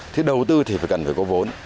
thì đầu tư thì cần phải có vốn